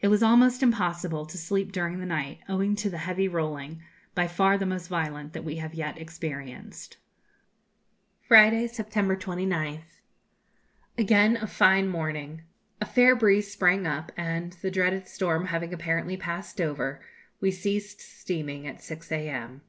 It was almost impossible to sleep during the night, owing to the heavy rolling, by far the most violent that we have yet experienced. Friday, September 29th. Again a fine morning. A fair breeze sprang up, and, the dreaded storm having apparently passed over, we ceased steaming at 6 a.m.